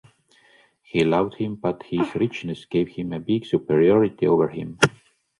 He loved him, but his richness gave him a big superiority over him.